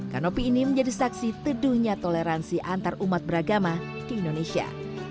kanopi ini menjadi saksi teduhnya toleransi antarumat beragama di indonesia